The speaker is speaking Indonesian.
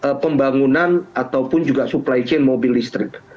pusat dari pembangunan ataupun juga supply chain mobil listrik